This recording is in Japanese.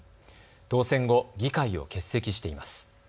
当選後、議会を欠席しています。